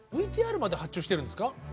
ＶＴＲまで発注してるんですか？